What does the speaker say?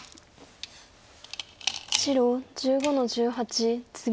白１５の十八ツギ。